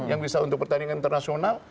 yang bisa untuk pertandingan internasional